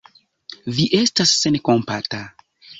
Vi estas senkompata!